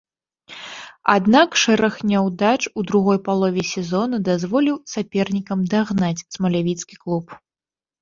Аднак, шэраг няўдач у другой палове сезона дазволіў сапернікам дагнаць смалявіцкі клуб.